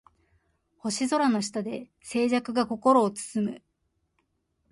星空の下で静寂が心を包む